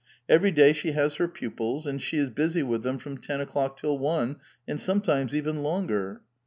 Every day she has her pupils, and she is busy with them from ten o'clock till one, and sometimes even longer."